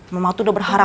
mama tuh udah berharap